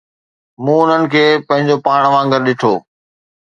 مون انهن کي پنهنجو پاڻ وانگر ڏٺو